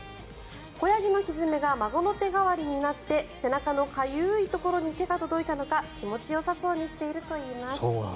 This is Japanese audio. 子ヤギのひづめが孫の手代わりになって背中のかゆいところに手が届いたのか気持ちよさそうにしているといいます。